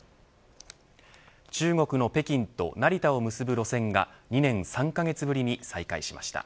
中国の北京と成田を結ぶ路線が２年３カ月ぶりに再開しました。